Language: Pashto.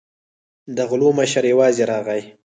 د غلو مشر یوازې راغی.